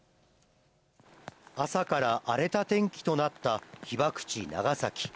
朝から荒れた天気となった被爆地、長崎。